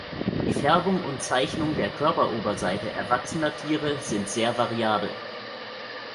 Die Färbung und Zeichnung der Körperoberseite erwachsener Tiere sind sehr variabel.